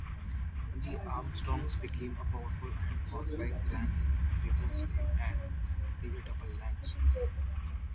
The Armstrongs became a powerful and warlike clan in Liddesdale and the Debatable Lands.